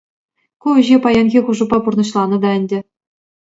Ку ӗҫе паянхи хушупа пурнӑҫланӑ та ӗнтӗ.